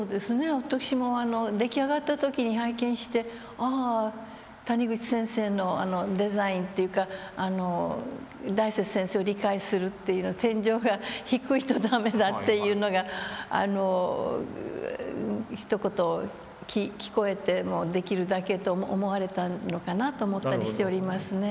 私も出来上がった時に拝見してああ谷口先生のデザインっていうか大拙先生を理解するというのを「天井が低いと駄目だ」というのがひと言聞こえてもうできるだけと思われたのかなと思ったりしておりますね。